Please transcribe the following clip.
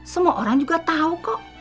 semua orang juga tahu kok